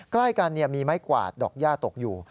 ใกล้กันมีไม้กวาดดอกย่าตกอยู่